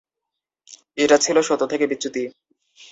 এটা ছিল সত্য থেকে বিচ্যুতি।